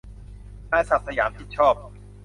นายศักดิ์สยาม ชิดชอบ